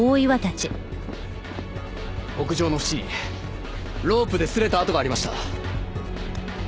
屋上の縁にロープで擦れた跡がありました。